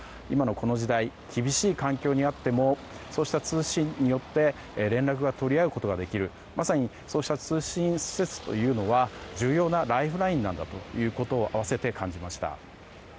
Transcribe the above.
今のこの時代厳しい環境にあってもそうした通信によって連絡を取り合うことができるまさに、そうした通信施設というのは重要なライフラインなんだということを合わせて感じました。